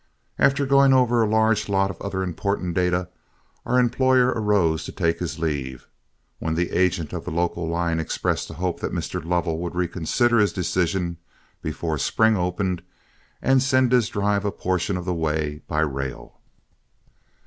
After going over a large lot of other important data, our employer arose to take his leave, when the agent of the local line expressed a hope that Mr. Lovell would reconsider his decision before spring opened, and send his drive a portion of the way by rail.